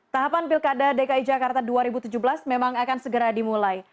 tahapan pilkada dki jakarta dua ribu tujuh belas memang akan segera dimulai